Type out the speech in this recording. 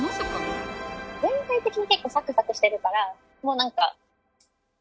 全体的に結構サクサクしてるからもうなんか。